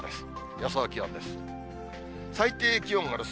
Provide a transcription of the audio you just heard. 予想気温です。